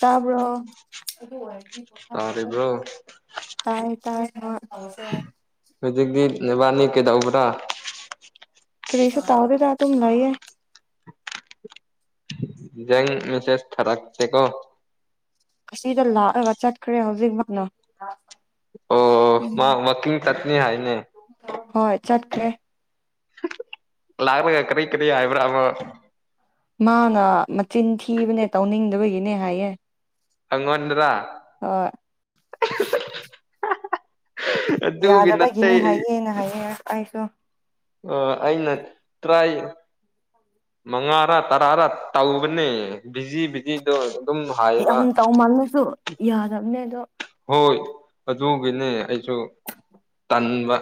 ꯇꯕꯣ ꯇꯥꯔꯦꯕ꯭ꯔꯣ ꯇꯥꯏ ꯇꯥꯏ ꯍꯣꯏ ꯍꯧꯖꯤꯛꯇꯤ ꯅꯕꯥꯅꯤ ꯀꯩꯗꯧꯕ꯭ꯔꯥ ꯀꯔꯤꯁ ꯇ ꯑꯣꯗꯤ ꯔ ꯍꯨꯝꯅꯏ ꯑꯦ ꯖ ꯃꯤꯁꯦꯁ ꯐꯔꯛ ꯇ ꯀꯣ ꯑꯁꯤꯗ ꯂꯥꯛꯑꯒ ꯆꯠꯈ꯭ꯔꯦ ꯍꯧꯖꯤꯛꯃꯛꯅ ꯑꯣ ꯃꯥ ꯋꯥꯀꯤꯡ ꯆꯠꯅꯤ ꯍꯥꯏꯅꯦ ꯍꯣꯏ ꯆꯠꯈ꯭ꯔꯦ ꯂꯥꯛꯂꯒ ꯀꯔꯤ ꯀꯔꯤ ꯍꯥꯏꯕ꯭ꯔꯥꯕ ꯃꯥꯅ ꯃꯆꯤꯟ ꯊꯤꯕꯅꯦ ꯇꯧꯅꯤꯡꯗꯕꯒꯤꯅꯦ ꯍꯥꯏꯌꯦ ꯑꯉꯣꯟꯅꯗ ꯍꯣꯏ ꯑꯗꯨ ꯑꯗꯨꯒꯤ ꯅꯠꯇ ꯌꯥꯗꯕꯒꯤꯅꯤ ꯍꯥꯏꯌꯦꯅ ꯍꯥꯏꯌꯦ ꯑꯩꯁꯨ ꯑ ꯑꯩꯅ ꯇ꯭ꯔꯥꯏ ꯃꯉꯥꯔꯥ ꯇꯔꯥꯔꯥ ꯇꯧꯕꯅꯦ ꯚꯤꯖꯤ ꯤꯖꯤꯗꯣ ꯑꯗꯨꯝ ꯍꯥꯏꯌꯦꯕ ꯌꯥꯝ ꯇꯧꯃꯜꯂꯁꯨ ꯌꯥꯗꯕꯅꯦ ꯑꯗꯣ ꯍꯣꯏ ꯑꯗꯨ ꯇꯒꯤꯅꯦ ꯑꯩꯁꯨ ꯇꯟꯕ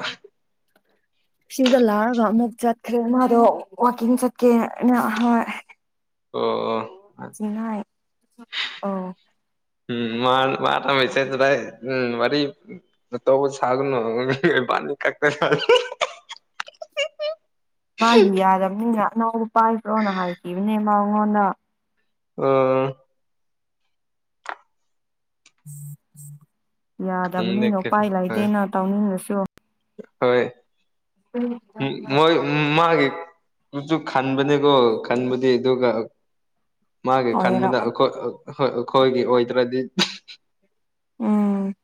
ꯁꯤꯗ ꯂꯥꯔꯒ ꯑꯃꯨꯛ ꯆꯠꯈ꯭ꯔꯦ ꯃꯥꯗꯣ ꯋꯥꯋꯥꯛꯀꯤꯡ ꯆꯠꯀꯦ ꯑꯣ ꯑ ꯆꯉꯥꯏ ꯑꯣ ꯎꯝ ꯃꯥ ꯃꯥꯇ ꯃꯁꯦꯖꯗꯦ ꯎꯝ ꯃꯔꯤ ꯅ ꯇꯧꯕ ꯁꯥꯒꯅꯣꯅꯤ ꯀ ꯃꯥꯒꯤ ꯌꯥꯗꯕꯅꯤꯅꯦ ꯑꯅꯧꯕ ꯄꯥꯏꯕ꯭ꯔꯣꯅ ꯍꯥꯏꯈꯤꯕꯅꯦ ꯃꯉꯣꯟꯗ ꯑ ꯈꯪꯗꯦ ꯌꯥꯗꯕꯅꯤꯅ ꯀꯔꯤ ꯎꯄꯥꯏ ꯍꯣꯏ ꯂꯩꯇꯦꯅ ꯇꯧꯅꯤꯡꯉꯁꯨ ꯍꯣꯏ ꯃ ꯃꯥꯒꯦ ꯈꯟꯕꯅꯦꯀꯣ ꯈꯟꯕꯨꯗꯤ ꯑꯗꯨꯒ ꯃꯥꯒꯤ ꯈꯟꯕꯗ ꯑꯣꯏꯔꯝꯃ ꯑꯩꯈꯣꯏ ꯑꯩꯈꯣꯏꯒꯤ ꯑꯣꯏꯗ꯭ꯔꯗꯤ ꯎꯝ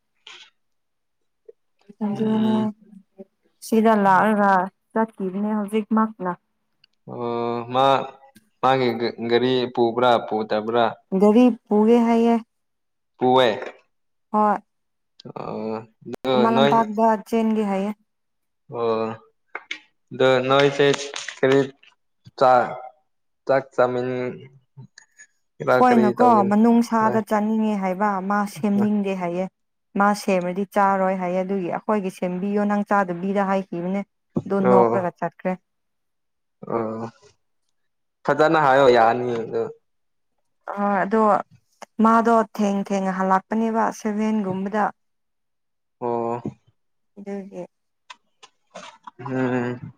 ꯅ ꯎꯝ ꯁꯤꯗꯥ ꯂꯜ ꯔꯥ ꯆꯠꯀꯤꯅꯦ ꯍꯧꯖꯤꯛ ꯃꯥꯅ ꯑꯣ ꯃꯥ ꯃꯥꯒꯤ ꯒꯥꯔꯤ ꯄꯨꯕ꯭ꯔꯥ ꯄꯨꯗꯕ꯭ꯔꯥ ꯄꯒꯦ ꯍꯥꯏꯌꯦꯌꯦ ꯍꯋꯦ ꯍꯣꯏ ꯑꯣ ꯑꯗꯨ ꯀꯃ ꯂꯝ ꯑꯃ ꯅꯣꯏ ꯄꯒꯗ ꯆ ꯆꯩꯒꯦ ꯍꯥꯏꯌꯦ ꯑꯣ ꯑꯗꯨ ꯅ ꯆ ꯀꯔꯤ ꯆ ꯇꯥꯛ ꯆꯥꯃꯤꯟ ꯀꯔꯥ ꯀꯔꯤ ꯍꯣꯏꯅꯀꯣ ꯇꯧꯒꯅꯤ ꯍꯣꯏ ꯃꯅꯨꯡꯁꯥꯗ ꯆꯥꯅꯤꯡꯉꯦ ꯍꯥꯏꯕ ꯃꯥ ꯍꯣꯏ ꯁꯦꯝꯅꯤꯡꯗꯦ ꯍꯥꯏꯌꯦꯦ ꯃꯥ ꯁꯦꯝꯃꯗꯤ ꯆꯥꯔꯣꯏ ꯍꯥꯏ ꯑꯗꯨꯒꯤ ꯑꯩꯈꯣꯏꯒꯤ ꯁꯦꯝꯕꯤꯌꯣ ꯅꯪ ꯆꯥꯗꯕꯤꯔ ꯍꯥꯏ ꯅꯦ ꯗꯣ ꯅꯧꯀ꯭ꯔꯒ ꯆꯠꯈ꯭ꯔꯦ ꯑ ꯐꯖꯔꯅ ꯍꯥꯏꯣ ꯌꯥꯅꯤꯗ ꯑ ꯑꯗꯣ ꯃꯥꯗꯣ ꯊꯦꯡ ꯊꯦꯡꯉ ꯍꯜꯂꯛꯄꯅꯦꯕ ꯁꯦꯚꯦꯟꯒꯨꯝꯕꯗ ꯑꯣ ꯏꯗꯦ ꯎꯝ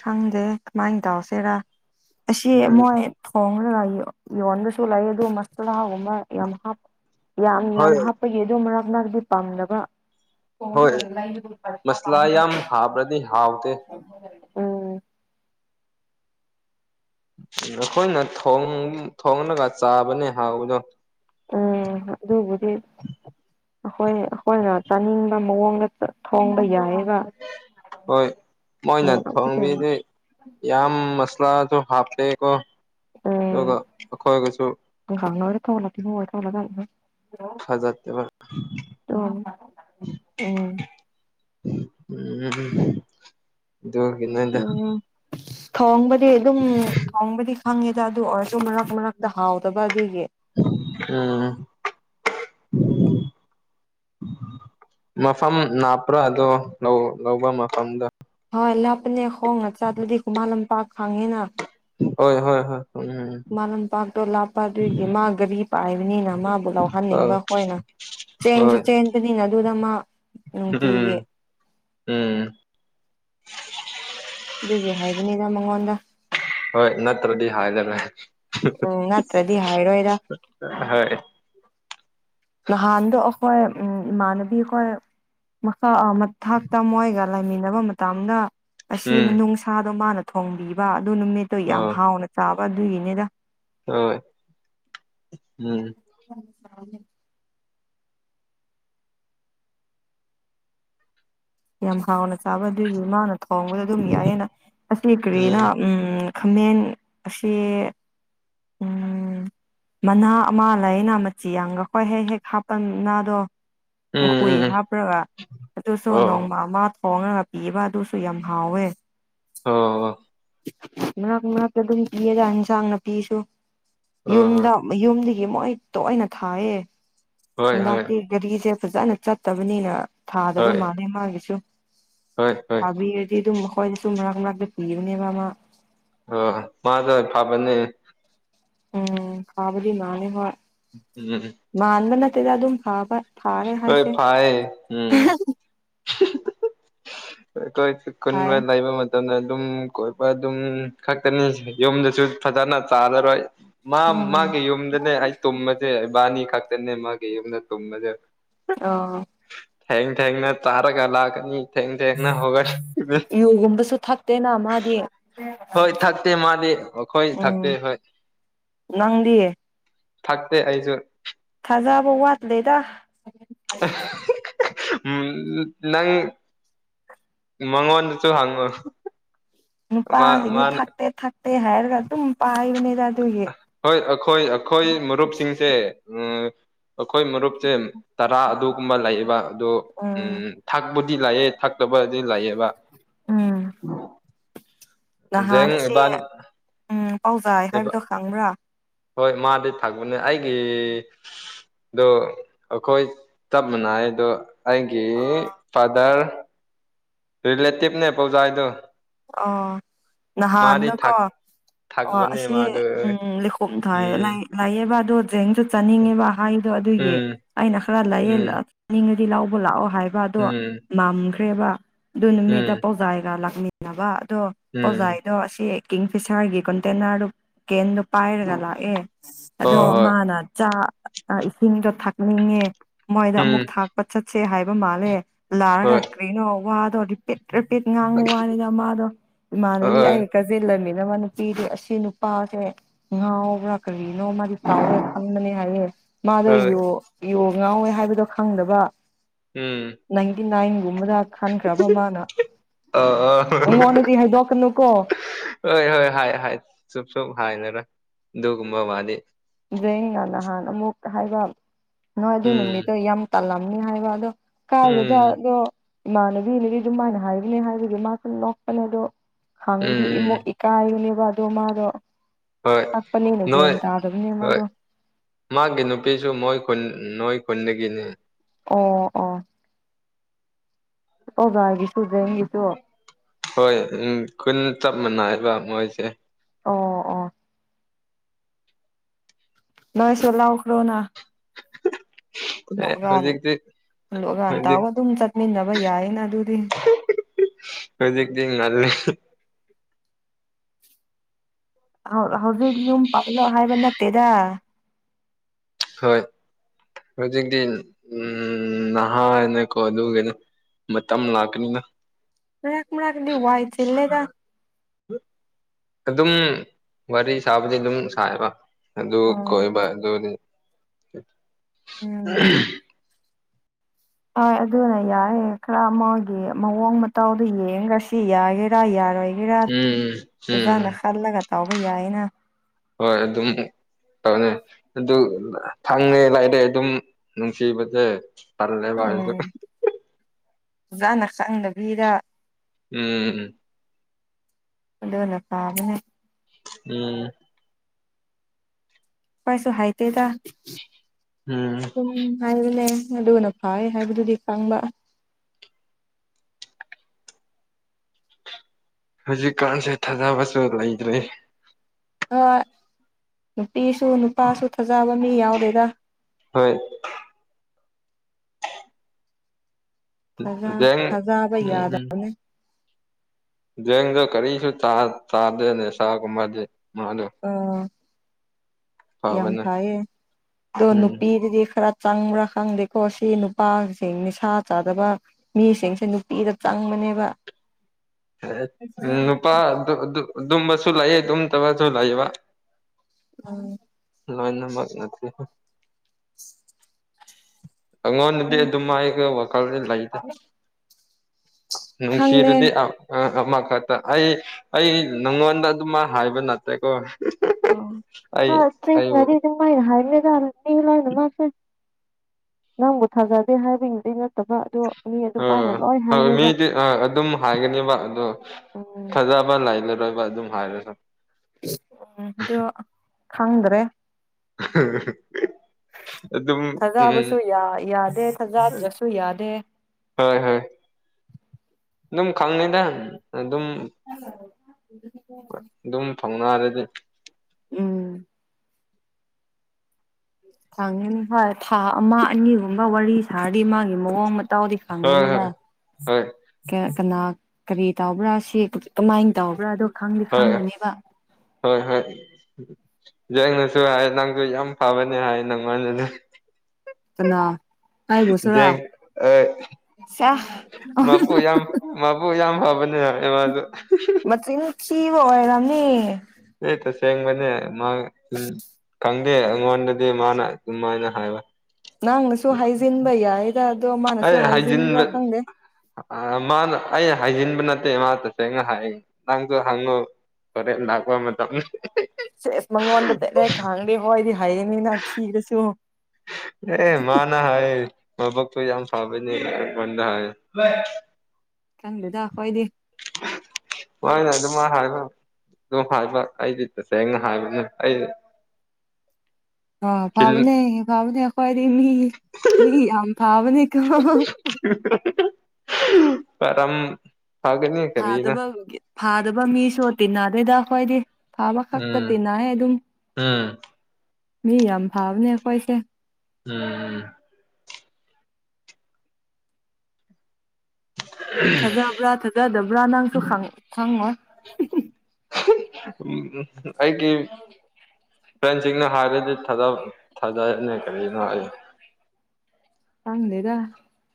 ꯈꯪꯗꯦ ꯀꯃꯥꯏꯅ ꯇꯧꯁꯤꯦꯔꯥ ꯑꯁꯤ ꯎꯝ ꯃꯣꯏ ꯊꯣꯡ ꯑꯣꯟꯁꯨꯨꯂ ꯑꯦꯗ ꯃꯁꯗꯒꯃ ꯃ ꯌꯥꯝ ꯌꯥꯝ ꯍꯣꯏ ꯍꯥꯞꯄꯒꯤ ꯑꯗꯣ ꯃꯔꯛ ꯅꯅꯥꯛꯇꯗꯤ ꯄꯥꯝꯗꯕ ꯍꯣꯏ ꯐꯅ ꯄꯁ ꯃꯁꯂꯥ ꯄꯉ ꯌꯥꯝ ꯍꯥꯞꯄ꯭ꯔꯗꯤ ꯍꯥꯎꯇꯦ ꯅꯈꯣꯏꯅ ꯊꯣꯉꯒ ꯆꯥꯕꯅꯦ ꯍꯥꯎꯕꯗꯣ ꯑ ꯑꯗꯨ ꯑꯩꯈꯣꯏ ꯑꯩꯈꯣꯏꯅ ꯆꯥꯅꯤꯡꯕ ꯃꯑꯣꯡꯗ ꯊꯣꯡꯕ ꯌꯥꯏꯌꯦ ꯍꯣꯏ ꯃꯣꯏꯅ ꯊꯣꯡꯕꯤꯗꯤ ꯌꯥꯝꯁ ꯁꯨ ꯍꯥꯞꯀꯣ ꯑꯩꯈꯣꯏ ꯀꯁꯨ ꯊꯧꯂꯗꯤ ꯍꯋꯥ ꯐꯖꯠꯇꯕ ꯊꯧꯣ ꯑꯣ ꯎꯝ ꯎꯝ ꯏ ꯀꯅ ꯏꯗ ꯊꯍꯣꯡꯕꯗꯤ ꯑꯗꯨꯝ ꯊꯍꯣꯡꯕꯗꯤ ꯈꯪꯉꯦꯗ ꯑꯗꯨ ꯑꯣꯏꯔ ꯃꯔꯛ ꯃꯔꯛꯇ ꯍꯥꯎꯗꯕ ꯑꯗꯨꯒꯤ ꯎ ꯃꯐꯝ ꯅꯥꯞꯄ꯭ꯔꯥꯗꯣ ꯂꯧꯕ ꯃꯐꯝꯗ ꯍꯣꯏ ꯂꯥꯞꯄꯅꯦ ꯈꯣꯡꯅ ꯆꯥꯗꯂꯗꯤ ꯈꯨꯃꯥ ꯂꯝꯄꯥꯛ ꯈꯪꯉꯤꯅ ꯍ ꯍꯣꯏ ꯍꯣꯏ ꯎꯝ ꯃꯔ ꯂꯝꯄꯥꯛꯇꯣ ꯂꯥꯞꯄ ꯑꯗꯨꯏꯒꯤ ꯃꯥ ꯒꯥꯔꯤ ꯄꯥꯛꯕꯅꯤꯅ ꯃꯥꯕꯨ ꯑ ꯂꯧꯍꯟꯅꯤꯡꯕ ꯈꯣꯏꯅ ꯆꯦꯟꯁꯨ ꯍꯣꯏ ꯆꯦꯟꯗꯨꯅꯤꯅ ꯑꯗꯨꯗ ꯃꯥ ꯎꯝ ꯅꯨꯡꯇꯤꯒꯦ ꯎꯝ ꯑꯗꯨꯒꯤ ꯍꯥꯏꯕꯅꯤꯅ ꯃꯉꯣꯟꯗ ꯍꯣꯏ ꯅꯠꯇ꯭ꯔꯗꯤ ꯍꯥꯏ ꯂꯩꯕ ꯎ ꯅꯠꯇ꯭ꯔꯗꯤꯍ ꯍꯥꯏꯣꯏꯗ ꯍꯣꯏ ꯅꯍꯥꯟꯗ ꯑꯩꯈꯣꯏ ꯎꯝ ꯏꯃꯥꯟꯕꯤꯈꯣꯏ ꯃꯈꯥ ꯃꯊꯥꯛꯇ ꯃꯣꯏꯒ ꯂꯩꯃꯤꯟꯅꯕ ꯃꯇꯝꯗ ꯑꯁꯤ ꯎꯝ ꯅꯨꯡꯁꯥꯗꯣ ꯃꯥꯅ ꯊꯣꯡꯕꯤꯕ ꯑꯗꯨ ꯅꯨꯃꯤꯠꯇꯣ ꯑ ꯌꯥꯝ ꯍꯥꯎꯅ ꯆꯥꯕ ꯑꯗꯨꯒꯤꯅꯤꯗ ꯍꯣꯏ ꯎꯝ ꯑ ꯌꯥꯝ ꯍꯥꯎꯅ ꯆꯥꯕ ꯑꯗꯨꯏ ꯃꯥꯅ ꯊꯣꯡꯕꯗ ꯑꯗꯨꯝ ꯌꯥꯏꯑꯌꯦꯅ ꯑꯁꯤ ꯀꯔꯤꯅ ꯎꯝ ꯈꯥꯃꯦꯟ ꯑꯁꯤ ꯎꯝ [inaudible] ꯃꯅꯥ ꯑꯃ ꯂꯩꯅ ꯃꯆꯤ ꯌꯥꯝꯒ ꯍꯣꯏ ꯍꯦꯛ ꯍꯦꯛ ꯍꯥꯞꯄꯟꯅꯗꯣ ꯎꯝ ꯎꯝ ꯍꯨꯏ ꯎꯝ ꯍꯥꯞꯄ꯭ꯔꯒ ꯑꯗꯨꯁꯨ ꯑꯣ ꯅꯣꯡꯃ ꯑꯃ ꯍꯣꯡꯉꯒ ꯄꯤꯕ ꯑꯗꯨꯁꯨ ꯌꯥꯝ ꯍꯥꯎꯋꯦ ꯑ ꯃꯅꯥꯛ ꯃꯅꯥꯛꯇ ꯑꯗꯨꯝ ꯄꯤꯌꯦꯗ ꯌꯦꯟꯁꯥꯡꯅ ꯄꯤꯁꯨ ꯌꯨꯝꯗ ꯑ ꯌꯨꯝꯗꯒꯤ ꯃꯣꯏ ꯇꯣꯏꯅ ꯊꯥꯏꯌꯦ ꯍꯣꯏ ꯍꯣꯏ ꯍꯟꯗꯇꯤ ꯒꯥꯔꯤꯁꯦ ꯐꯖꯅ ꯆꯠꯇꯕꯅꯤꯅ ꯊꯥꯗꯕ ꯍꯣꯏ ꯃꯥꯜꯂꯦ ꯃꯥꯒꯤꯁꯨ ꯍꯣꯏ ꯍꯣꯏ ꯈꯥꯕꯤꯔꯗꯤ ꯑꯗꯨꯝ ꯍꯣꯏꯗꯤ ꯁꯨꯝ ꯃꯅꯥꯛ ꯃꯅꯥꯛꯇ ꯄꯤꯕꯅꯦꯕ ꯑꯃ ꯑ ꯃꯥꯗ ꯐꯕꯅꯦ ꯎꯝ ꯀꯥꯕꯗꯤ ꯃꯅꯤ ꯍ ꯔꯦ ꯗ ꯑꯗꯨꯝ ꯐꯥꯕ ꯐꯥꯔꯦ ꯈꯣꯏ ꯍꯥꯏꯁꯦ ꯐꯥꯏ ꯎꯝ ꯀꯣꯏ ꯆ ꯀꯨꯟꯕ ꯐꯥꯏꯌꯦ ꯂꯩꯕ ꯃ ꯃꯇꯝꯗ ꯑꯗꯨꯝ ꯀꯣꯏꯕ ꯑꯗꯨꯝ ꯈꯛꯇꯅꯤ ꯌꯨꯝꯗꯁꯨ ꯐꯖꯅ ꯆꯥꯔꯔꯣꯏ ꯃꯥ ꯎꯝ ꯃꯥꯒꯤ ꯌꯨꯝꯗꯅꯦ ꯑꯩ ꯇꯨꯝꯃꯁꯦ ꯏꯕꯥꯅꯤ ꯈꯛꯇꯅꯦ ꯃꯥꯒꯤ ꯌꯨꯝꯗ ꯇꯨꯝꯃꯁꯦ ꯑ ꯊꯦꯡ ꯊꯦꯡꯅ ꯇꯥꯔꯒ ꯂꯥꯛꯀꯅꯤ ꯊꯦꯡ ꯊꯦꯡꯅ ꯍꯒꯠ ꯌꯨꯒꯨꯝꯕꯁꯨ ꯊꯛꯇꯦꯅ ꯃꯥꯗꯤ ꯍꯣꯏ ꯊꯥꯛꯇꯦ ꯃꯥꯗꯤ ꯑꯣꯈꯣꯏ ꯊꯥꯛꯄ ꯍ ꯅꯪꯗꯤꯌꯦ ꯊꯥꯛꯇꯦ ꯑꯩꯁꯨ ꯊꯥꯖ ꯑꯕ ꯋꯥꯠ ꯂꯩ ꯇ [unintelligible] ꯎꯝ ꯅꯪ ꯃꯉꯣꯟꯗꯁꯨ ꯍꯪꯉꯣ ꯅꯨꯄꯥ ꯃꯥ ꯁꯤ ꯃꯥꯅ ꯊꯥꯛꯇꯦ ꯊꯥꯛꯇꯦ ꯍꯦꯔ ꯀ ꯇ ꯅꯨꯄꯥ ꯍꯣꯏ ꯑꯩꯈꯣꯏ ꯑꯩꯈꯣꯏ ꯃꯔꯨꯞꯁꯤꯡꯁꯦ ꯎ ꯑꯩꯈꯣꯏ ꯃꯔꯨꯞꯁꯦ ꯇꯔꯥ ꯑꯗꯨꯒꯨꯝꯕ ꯂꯩꯌꯦꯕ ꯑꯗꯣ ꯎ ꯎꯝ ꯊꯛꯄ ꯑꯗꯨ ꯂꯥꯛꯑꯦ ꯊꯛꯇꯕ ꯑꯗꯨ ꯂꯥꯛꯑꯦꯕ ꯎꯝ ꯗꯦꯡ ꯏꯕꯥꯥꯟ ꯑꯣꯧꯖꯥꯏ ꯍꯥꯏꯕꯗꯣ ꯈꯪꯕ꯭ꯔꯥ ꯍꯣꯏ ꯃꯥꯗꯤ ꯊꯛꯄꯅꯦ ꯑꯩꯒꯤ ꯑꯗꯣ ꯑꯩꯈꯣꯏ ꯆꯞ ꯃꯅꯏꯗꯣ ꯑꯩꯒꯤ ꯐꯥꯗꯔ ꯔꯔꯤꯂꯦꯇꯤꯚꯅꯦ ꯄꯥꯎꯖꯥꯏꯗꯣ ꯑꯣ ꯅꯍꯥ ꯃꯥꯗꯤ ꯑꯟꯅꯀꯣ ꯊꯥꯛ ꯑꯣ ꯊꯥꯛꯄꯅꯦ ꯑꯁꯤ ꯃꯥꯗꯣ ꯎꯝ ꯂꯩꯈꯣꯝ ꯊꯥꯏꯑ ꯎꯝ ꯂꯥꯏꯌꯦꯕ ꯑꯗꯨ ꯇ꯭ꯔꯦꯡꯁꯨ ꯆꯥꯅꯤꯡꯉꯦꯕ ꯍꯥꯏꯗꯣ ꯑꯗꯨꯒꯤ ꯎꯝ ꯑꯩꯅ ꯈꯔ ꯂꯩꯑ ꯎꯝ ꯆꯥꯅꯤꯡꯉꯗꯤ ꯂꯧꯕ ꯂꯥꯛꯑꯣ ꯍꯥꯏꯕꯗꯣ ꯎꯝ ꯃꯝꯈ꯭ꯔꯦꯕ ꯑꯗꯨ ꯅꯨꯃꯤꯠꯇ ꯎꯝ ꯄꯥꯎꯖꯥꯏꯒ ꯂꯥꯛꯃꯤꯟꯅꯕ ꯑꯗꯣ ꯎꯝ ꯑꯣꯖꯥꯗꯣ ꯑꯁꯤ ꯐꯤꯁꯥꯔꯒꯤ ꯀꯣꯟꯇꯦꯅꯔꯗꯨ ꯀꯦꯟꯗꯨ ꯄꯥꯏꯔꯒ ꯂꯥꯛꯑꯦ ꯍꯣꯏ ꯑꯗꯣ ꯍꯣꯏ ꯃꯥꯅ ꯆꯥ ꯏꯁꯤꯡꯗꯣ ꯊꯛꯅꯤꯡꯉꯦ ꯃꯣꯏꯗ ꯎꯝ ꯑꯃꯨꯛ ꯊꯥꯛꯄ ꯆꯠꯁꯤ ꯁꯦ ꯍꯥꯏꯕ ꯃꯥꯜꯂꯦ ꯍꯣꯏ ꯂꯥꯛꯔꯒ ꯀꯔꯤꯅꯣ ꯋꯥꯗꯣ ꯔꯤꯄꯤꯠ ꯔꯤꯄꯤꯠ ꯉꯥꯡꯕ ꯋꯥꯅꯤꯗ ꯃꯃꯥꯗꯣ ꯍꯣꯏ ꯏꯃꯥꯅꯅꯤ ꯑꯩ ꯀꯖꯤꯜꯂꯅꯤꯅ ꯅꯨꯄꯤꯗꯤ ꯑꯁꯤ ꯅꯨꯄꯥꯁꯦ ꯉꯥꯎꯕ꯭ꯔꯥ ꯀꯔꯤ ꯅ ꯃꯥꯗꯤ ꯇꯥꯎꯋꯦ ꯈꯪꯕꯅꯦ ꯍꯥꯏꯌꯦꯦ ꯍꯣꯏ ꯃꯥꯗꯣꯣ ꯉꯥꯎꯋꯦ ꯍꯥꯏꯕꯗꯣ ꯈꯪꯗꯕ ꯎꯝ ꯅꯥꯏꯟꯇꯤ ꯅꯥꯏꯟ ꯨꯝꯕꯗ ꯈꯟꯈ꯭ꯔꯕ ꯃꯥꯅ ꯑ ꯑ ꯃꯉꯣꯟꯗꯗꯤ ꯍꯥꯏꯗꯣꯛꯀꯅꯨꯀꯣ ꯍꯣꯏ ꯍꯣꯏ ꯍꯥꯏ ꯍꯥꯏ ꯆꯨꯞ ꯆꯨꯞ ꯍꯥꯏꯅꯔꯥ ꯗꯨꯒꯨꯝꯕ ꯃꯥꯅꯦꯦ ꯗ ꯉ ꯅꯍꯥꯟ ꯑꯃꯨꯛ ꯍꯥꯏꯕ ꯅꯣꯏ ꯑꯗꯨ ꯎꯝ ꯅꯨꯃꯤꯠꯇꯣ ꯌꯥꯝ ꯇꯜꯂꯝ ꯍꯥꯏꯕ ꯑꯗꯣ ꯀꯥꯏꯗꯗ ꯎꯝ ꯑꯗꯣ ꯏꯃꯥꯟꯅꯕꯤꯅꯗꯤ ꯑꯗꯨꯝꯃꯥꯏꯅ ꯍꯥꯏꯕꯅꯦ ꯍꯥꯏꯕꯒꯤ ꯃꯥꯁꯨ ꯂꯣꯛꯄꯅꯦ ꯑꯗꯣ ꯎꯝ ꯍꯪꯗꯤ ꯎꯝ ꯏꯃ ꯏꯀꯥꯏ ꯌꯌꯨꯅꯦꯕ ꯑꯗꯨ ꯃꯥꯗꯣ ꯍꯣꯏ ꯊꯛꯄꯅꯤꯅ ꯅꯣꯏ ꯒ꯭ꯌꯥꯟ ꯇꯥꯗꯕꯅꯦ ꯍꯣꯏ ꯃꯥꯗꯣ ꯃꯥꯒꯤ ꯅꯨꯄꯤꯁꯨ ꯃꯣꯏ ꯈꯨꯟ ꯅꯣꯏ ꯈꯨꯟꯗꯒꯤꯅꯤ ꯑꯣ ꯑꯣ ꯇꯧꯖꯥꯒꯤ ꯁꯨꯖꯦꯡꯒꯤꯁꯨ ꯍꯣꯏ ꯎ ꯀꯨꯟ ꯆꯞ ꯃꯥꯟꯅꯏꯕ ꯃꯣꯏꯁꯦ ꯑꯣ ꯑꯣ ꯅꯣꯏꯁꯂ ꯑꯣꯈꯣꯅ ꯑꯦ ꯍꯧꯖꯤꯛꯗꯤ ꯍꯂꯑꯒꯥꯟꯟꯇꯥꯎ ꯑꯗꯨꯝ ꯆꯠꯃꯤꯟꯅꯕ ꯌꯥꯏꯌꯦꯅ ꯑꯗꯨꯗꯤ ꯍꯧꯖꯤꯛꯗꯤ ꯉꯜꯂꯦ ꯍꯧꯖꯤꯛ ꯌꯨꯝ ꯄꯥꯎꯂꯣ ꯍꯥꯏꯕꯟ ꯅꯠꯇꯦꯗ ꯍꯣꯏ ꯍꯧꯖꯤꯛꯇꯤ ꯎꯝ ꯅꯍꯥꯅꯀꯣ ꯑꯗꯨꯒꯤꯅ ꯃꯇꯝ ꯂꯥꯛꯀꯅꯤꯅ ꯃ ꯃꯔ ꯀꯗꯤ ꯋꯥꯏ ꯆꯂꯦꯒ ꯑꯗꯨꯝ ꯋꯥꯔꯤ ꯁꯥꯕꯗꯤ ꯑꯗꯨꯝ ꯁꯥꯏꯕ ꯑꯗꯨ ꯑ ꯀꯣꯏꯕ ꯑꯗꯨꯅꯤ ꯎꯝ ꯍꯣꯏ ꯑꯗꯨꯅ ꯌꯥꯔ ꯈꯔ ꯑꯃꯒꯤ ꯃꯑꯣꯡ ꯃꯇꯥꯎꯗꯣ ꯌꯦꯡꯒ ꯁꯤ ꯌꯥꯒꯦꯔꯥ ꯌꯥꯔꯣꯏ ꯔꯥ ꯎꯝ ꯑꯣꯖꯥꯅ ꯎꯝ ꯈꯜꯂꯒ ꯇꯥꯎꯕ ꯌꯥꯏꯅ ꯍꯣꯏ ꯑꯗꯨꯝ ꯇꯧꯅꯤ ꯑꯗꯨ ꯐꯪꯉꯦ ꯂꯥꯛꯔꯦ ꯑꯗꯨꯝ ꯅꯨꯡꯁꯤꯕꯁꯦ ꯇꯂꯦ ꯁꯨ ꯑꯣꯖꯥꯅ ꯈꯪꯗꯕꯤꯗ ꯎꯝ ꯎꯝ ꯑꯂꯂ ꯐꯥꯕꯅ ꯎꯝ ꯄꯥꯏꯁꯨꯣ ꯍꯥꯏꯥꯏ ꯇꯦꯗ ꯎꯝ ꯍꯥꯏꯅꯦ ꯑꯗꯨꯒꯅ ꯐꯩ ꯍꯥꯏꯕꯗꯨꯗꯤ ꯈꯪꯕ ꯍꯧꯖꯤꯛꯀꯥꯟꯁꯦ ꯊꯥꯖꯕꯁꯨ ꯂꯩꯇ꯭ꯔꯦ ꯑ ꯅꯨꯄꯤꯁꯨ ꯅꯨꯄꯥꯁꯨ ꯐꯖꯕ ꯃꯤ ꯌꯥꯎꯔꯦꯗ ꯍꯣꯏ ꯐꯖꯥ ꯖꯦꯡ ꯐꯖꯥꯕ ꯎꯝ ꯌꯥꯗꯅꯦ ꯗ ꯀꯔꯤꯁ ꯆꯥ ꯆꯥꯗꯦ ꯁꯥ ꯀ ꯃꯥꯗꯦ ꯃꯥꯂ ꯌꯥꯝꯐ ꯗꯅꯨ ꯎꯝ ꯄꯤꯔ ꯈꯔ ꯆꯪꯕ꯭ꯔꯥ ꯈꯪꯗꯦꯀꯣ ꯁꯤ ꯅꯨꯄꯥꯁꯤꯡ ꯅꯤꯁꯥ ꯆꯥꯗꯕ ꯃꯤꯁꯤꯡꯁꯦ ꯅꯨꯄꯤꯗ ꯆꯪꯕꯅꯤ ꯕ ꯎ ꯅꯨꯄꯥ ꯑꯗꯨꯝꯕꯁꯨ ꯂꯥꯏꯌꯦ ꯑꯗꯨꯝ ꯇꯁꯨ ꯂꯥꯏꯕ ꯎꯝ ꯂꯥꯏꯟ ꯅ ꯃꯒ ꯅ ꯑꯉꯣꯟ ꯅꯗꯤ ꯎꯝ ꯑꯗꯨ ꯃꯥ ꯋꯥꯀꯜ ꯂꯥꯛꯗ ꯈꯪꯗꯦ ꯅꯨꯡꯁꯤꯔꯗꯤ ꯑꯃꯈꯛꯇ ꯑꯩ ꯑꯩ ꯅꯉꯣꯟꯗ ꯑꯗꯨꯃ ꯍꯥꯏꯕ ꯅꯅꯥꯇꯦꯀꯣ ꯑ ꯑ ꯇ ꯉꯔꯤ ꯃꯥꯥꯏ ꯍꯥꯏ ꯂ ꯃꯥꯁꯦ ꯅꯪꯕꯨ ꯊꯥꯖꯗꯦ ꯍꯥꯏꯕꯒꯤꯗꯨꯩ ꯅꯠꯇꯕ꯭ꯔꯥ ꯑꯗꯣ ꯃꯤ ꯑꯗꯨꯝ ꯑꯥꯏꯅ ꯂ ꯑꯥ ꯍꯣꯏ ꯃꯤꯗꯤ ꯑꯗꯨꯝ ꯍꯥꯏꯒꯅꯦꯕ ꯑꯗꯣ ꯎꯝ ꯊꯥꯖꯕ ꯂꯥꯏ ꯂꯩꯔꯣꯏ ꯑꯗꯨꯝ ꯐꯥꯏꯔꯦꯁ ꯎ ꯑꯗꯨꯣ ꯈꯪꯗ꯭ꯔꯦ [inaudible] ꯑꯗꯨꯝ ꯎꯝ ꯊꯖꯕꯁꯨ ꯌꯥꯗꯦ ꯊꯖꯗ꯭ꯔꯁꯨ ꯌꯥꯗꯦ ꯍꯣꯏ ꯍꯣꯏ ꯑꯗꯨꯝ ꯈꯪꯅꯗ ꯑꯗꯨ ꯑꯗꯨꯝ ꯍꯣꯏ ꯑꯗꯨꯝ ꯐꯪꯅꯔꯗꯤ ꯎꯝ ꯊꯥꯡꯉꯅꯤ ꯍꯣꯏ ꯊꯥ ꯑꯃ ꯑꯅꯤꯒꯨꯝꯕ ꯋꯥꯔꯤ ꯁꯥꯔꯗꯤ ꯃꯥꯒꯤ ꯃꯑꯣꯡ ꯃꯇ ꯇ ꯑꯣꯗꯤ ꯍꯣꯏ ꯈꯪꯒꯅꯤꯗ ꯍꯣꯏ ꯍꯣꯏ ꯀ ꯀꯅꯥ ꯀꯔꯤ ꯇꯧꯕ꯭ꯔꯥ ꯁꯤ ꯀꯃꯥꯏꯅ ꯇꯧꯕ꯭ꯔꯥ ꯑꯣ ꯈꯪꯗꯤ ꯍꯣꯏ ꯈꯪꯒꯅꯦꯕ ꯍꯣꯏ ꯍꯣꯏ ꯑꯩꯅꯁꯨ ꯍꯥꯏ ꯅꯪꯁꯨ ꯌꯥꯝ ꯐꯕꯅꯦ ꯍꯥꯏ ꯅꯪꯉꯣꯟꯗꯗꯤ [inaudible] ꯀꯅꯥ ꯑꯩꯕꯨ ꯁꯨꯔꯥ ꯑ ꯁꯦ ꯃꯄꯨ ꯌꯥꯝ ꯃꯥꯄꯨ ꯌꯥꯝ ꯍꯥꯕꯅꯦ ꯌꯥ ꯑꯦꯃꯗ ꯀ ꯑꯣꯏꯔꯝꯅꯤ ꯍ ꯇꯁꯦꯡ ꯃꯅꯦ ꯎ ꯈꯪꯗꯦ ꯑꯩꯉꯣꯟꯗꯗꯤ ꯃꯥꯅ ꯑꯗꯨꯝꯥꯏꯅ ꯍꯥꯏꯕ ꯅꯪꯅꯁꯨ ꯍꯥꯏꯖꯤꯟꯕ ꯌꯥꯏꯗ ꯑꯗꯣ ꯃꯥꯅꯁꯨ ꯑꯩ ꯍꯥꯏꯖꯤꯟꯕ꯭ꯔꯥ ꯍꯥꯏꯖꯤꯟꯕ ꯈꯪꯗꯦ ꯃꯥꯅ ꯑꯩꯅ ꯍꯥꯏꯖꯤꯟꯕ ꯅꯠꯇꯦ ꯏꯃꯥ ꯇꯁꯦ ꯑꯩꯅ ꯍꯥꯏ ꯅꯪꯁꯨꯣ ꯍꯪꯉꯨ ꯍꯣꯔꯦꯟ ꯂꯥꯛꯄ ꯃꯇꯝꯗ ꯦ ꯃꯒ ꯋꯥꯟꯗ ꯇ ꯈꯥ ꯑꯣꯏꯣꯏꯗꯤ ꯍꯥꯏ ꯊꯒ ꯁꯤ ꯑꯦ ꯃꯥꯅ ꯍꯥꯏ ꯂꯕꯛꯛꯇ ꯌꯥꯝ ꯌꯥꯝ ꯐꯕ ꯃꯗ ꯍꯥꯏ ꯆꯪꯂꯤꯗ ꯍꯣꯏꯗꯤꯦ ꯍꯣꯏ ꯑꯗꯨꯃ ꯍꯥꯏꯕ ꯑꯗꯨꯝ ꯍꯥꯏꯕ ꯑꯩꯗꯤ ꯇꯁꯦꯡꯅ ꯍꯥꯏꯕꯅꯤ ꯑꯩ ꯑ ꯊꯤꯜ ꯐꯥꯎꯅꯦꯥꯎꯅꯦ ꯑꯈꯋꯥꯏꯔꯤ ꯃꯤ ꯃꯤ ꯐꯕꯅꯤ ꯀ ꯄꯔꯝ ꯐꯥꯗꯕ ꯐꯥꯗꯕ ꯃꯤꯁꯨꯣꯇ ꯅꯅꯥꯗꯦ ꯗꯗꯥꯈꯏꯗꯤꯦ ꯐꯥꯕ ꯈꯛꯇ ꯎꯝ ꯇꯤꯟꯅꯑ ꯑꯗꯨꯝ ꯎꯝ ꯃꯤ ꯌꯥꯝ ꯐꯕꯅꯦ ꯑꯩꯈꯣꯏꯁꯦ ꯎꯝ ꯊꯥꯖꯕ꯭ꯔꯥ ꯊꯥꯖꯗꯕ꯭ꯔꯥ ꯅꯪꯁꯨ ꯈꯪꯉꯣ ꯑꯩ ꯀ ꯐ꯭ꯔꯦꯟꯁꯤꯡꯅ ꯍꯥꯏꯔꯒꯗꯤ ꯊꯥ ꯊꯥꯗꯅꯦ ꯀꯔꯤꯅꯣ ꯑꯩ ꯍꯪꯗꯦꯗ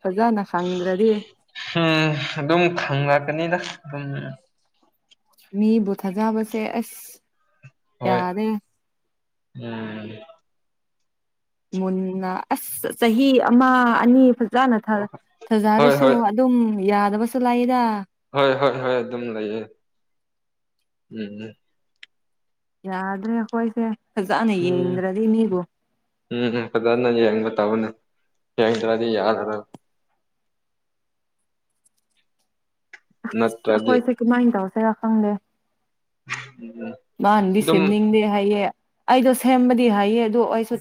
ꯐꯖꯥꯅ ꯈꯪ꯭ꯔꯗꯤ ꯎꯝ ꯑꯗꯨꯝ ꯈꯪꯉꯛꯀꯅꯤꯗ ꯑꯗꯨꯝ ꯃꯤꯕꯨ ꯊꯥꯖꯕꯁꯦ ꯑꯁ ꯍꯣꯏ ꯌꯥꯔꯦ ꯎꯝ ꯃꯨꯟꯅ ꯑꯁ ꯆꯍꯤ ꯑꯃ ꯑꯅꯤ ꯐ ꯆꯥꯅ ꯍꯣꯏ ꯊꯖꯗꯁꯨ ꯍꯣꯏ ꯑꯗꯨꯝ ꯌꯥꯗꯕꯁꯨ ꯂꯥꯛꯏꯗ ꯍꯣꯏ ꯍꯣꯏ ꯍꯣꯏ ꯑꯗꯨꯝ ꯂꯩꯌꯦ ꯎꯝ ꯌꯥꯗ꯭ꯔꯦ ꯑꯩꯈꯣꯏꯁꯦ ꯐꯖꯅ ꯎꯝ ꯌꯦꯡꯗ꯭ꯔꯗꯤ ꯃꯤꯕꯨ ꯎꯝ ꯐꯖꯅ ꯌꯦꯡꯕ ꯇꯥꯕꯨꯅꯦ ꯌꯦꯡꯗ꯭ꯔꯗꯤ ꯌꯥꯗ꯭ꯔ [unintelligible] ꯑꯁ ꯅꯠꯇ꯭ꯔꯗꯤ ꯑꯩꯈꯣꯏꯁꯦ ꯀꯃꯥꯏꯅ ꯇꯧꯁꯦ ꯈꯪꯗꯦ ꯎꯝ ꯃꯥꯅꯗꯤ ꯑꯗꯨꯝ ꯁꯦꯝꯅꯤꯡꯗꯦ ꯍꯥꯏꯌꯦ ꯑꯩꯗꯣ ꯁꯦꯝꯕꯗꯤ ꯍꯥꯏꯌꯦ ꯑꯗꯣ ꯑꯩꯁꯨ